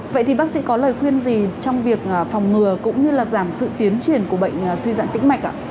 vậy thì bác sĩ có lời khuyên gì trong việc phòng ngừa cũng như là giảm sự tiến triển của bệnh suy giãn tĩnh mạch ạ